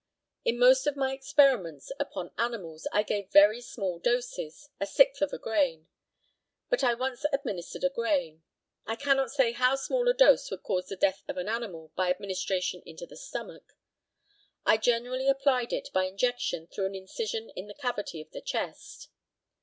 In most of my experiments upon animals I gave very small doses a sixth of a grain; but I once administered a grain. I cannot say how small a dose would cause the death of an animal by administration into the stomach. I generally applied it by injection through an incision in the cavity of the chest.